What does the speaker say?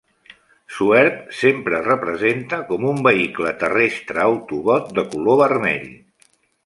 Swerve sempre es representa com un vehicle terrestre Autobot de color vermell.